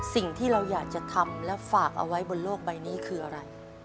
สิ่งที่เราอยากจะทำและฝากเอาไว้บนโลกใบนี้คืออะไร